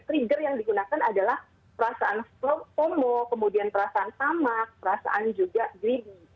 trigger yang digunakan adalah perasaan slow promo kemudian perasaan tamak perasaan juga greedy